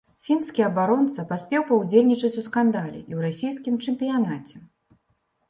Фінскі абаронца паспеў паўдзельнічаць у скандале і ў расійскім чэмпіянаце.